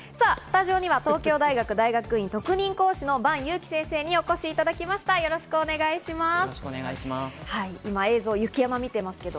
スタジオには東京大学大学院・特任講師の伴祐樹先生にお越しいただきました、よろしくお願いします。